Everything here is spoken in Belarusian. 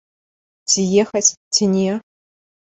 Ці ехаць, ці не?